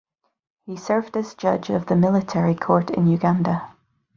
He served as judge of the military court in Uganda.